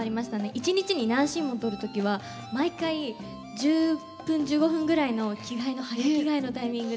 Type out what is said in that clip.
一日に何シーンも撮る時は毎回１０分１５分ぐらいの早着替えのタイミングで。